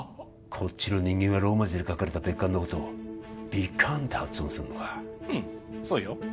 こっちの人間はローマ字で書かれた別館のことをヴィカァンって発音するのかうんそうよ